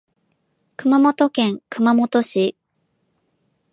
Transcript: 熊本県熊本市